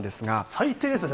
最低ですよね？